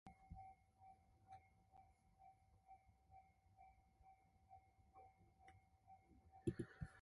이매망량이 판치는 세상에 나아가려면 이 친구들 중 한 명을 데려가렴!